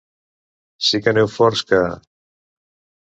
Sí que aneu forts que.